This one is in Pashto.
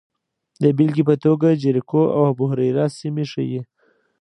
د بېلګې په توګه جریکو او ابوهریره سیمې ښيي